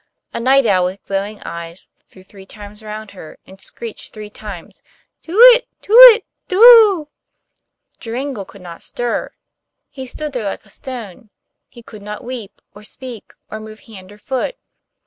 A night owl with glowing eyes flew three times round her, and screeched three times 'tu whit, tu whit, tu whoo.' Joringel could not stir; he stood there like a stone; he could not weep, or speak, or move hand or foot.